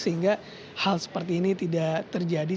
sehingga hal seperti ini tidak terjadi